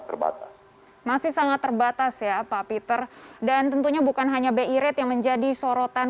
terbatas masih sangat terbatas ya pak peter dan tentunya bukan hanya bi rate yang menjadi sorotan